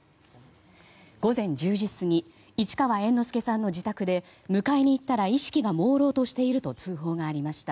午前１０時過ぎ市川猿之助さんの自宅で迎えに行ったら意識がもうろうとしていると通報がありました。